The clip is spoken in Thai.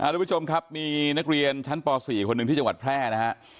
ทุกผู้ชมครับมีนักเรียนชั้นป๔คนหนึ่งที่จังหวัดแพร่นะฮะ